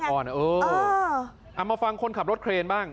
เอามาฟังคนขับรถเครนบ้าง